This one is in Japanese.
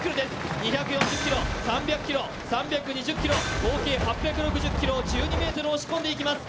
２４０ｋｇ、３００ｋｇ、３２０ｋｇ、合計８６０ｋｇを１２ｍ押し込んでいきます。